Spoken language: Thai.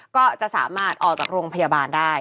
ก็จะสามารถออกจากโรงพยาบาลได้